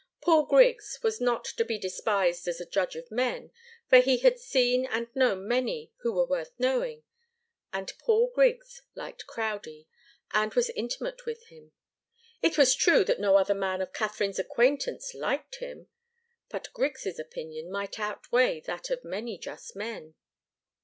Paul Griggs was not to be despised as a judge of men, for he had seen and known many who were worth knowing, and Paul Griggs liked Crowdie and was intimate with him. It was true that no other man of Katharine's acquaintance liked him, but Griggs' opinion might outweigh that of many just men.